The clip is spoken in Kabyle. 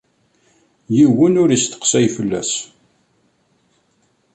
Yiwen ur isteqsay fell-as.